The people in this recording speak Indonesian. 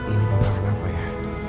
ini papa kenapa ya